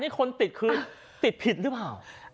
นี่คนติดคือติดผิดหรือเปล่า